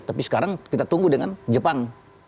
tapi sekarang kita tunggu dengan jepang